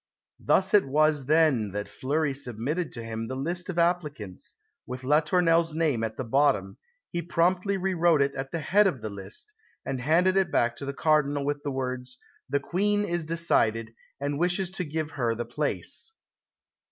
Thus it was that when Fleury submitted to him the list of applicants, with la Tournelle's name at the bottom, he promptly re wrote it at the head of the list, and handed it back to the Cardinal with the words, "The Queen is decided, and wishes to give her the place."